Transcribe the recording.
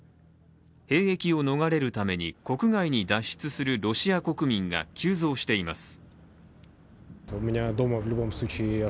兵役を逃れるために国外に脱出するロシア国民が急増しています。